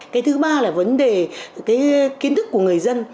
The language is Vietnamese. cái thứ ba là vấn đề kiến thức của người dân